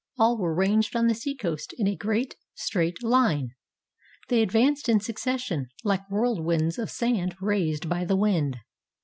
All were ranged on the seacoast in a great, straight line. They advanced in succession, Hke whirlwinds of sand raised by the wind.